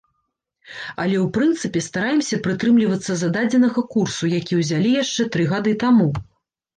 Але ў прынцыпе, стараемся прытрымлівацца зададзенага курсу, які ўзялі яшчэ тры гады таму.